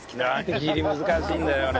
乱切り難しいんだよね。